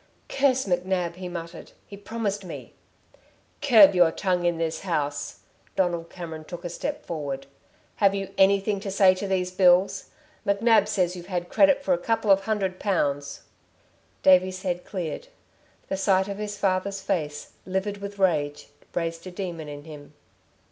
"Curse McNab!" he muttered. "He promised me " "Curb your tongue in this house!" Donald Cameron took a step forward. "Have you anything to say to these bills? McNab says you've had credit for a couple of hundred pounds." Davey's head cleared. The sight of his father's face, livid with rage, raised a demon in him.